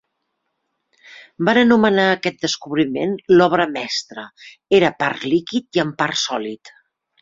Van anomenar aquest descobriment l'obra mestra; era en part líquid i en part sòlid.